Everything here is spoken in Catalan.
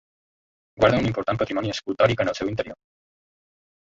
Guarda un important patrimoni escultòric en el seu interior.